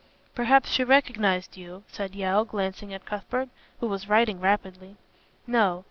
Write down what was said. "Perhaps she recognized you," said Yeo, glancing at Cuthbert, who was writing rapidly. "No.